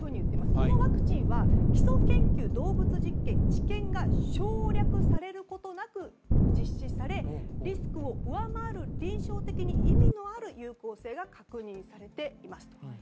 このワクチンは基礎研究、動物実験、治験が省略されることなく実施されリスクを上回る臨床的に意味のある有効性が確認されていますと。